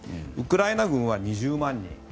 ウクライナ軍は２０万人。